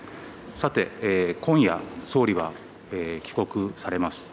さて今夜、総理は帰国されます。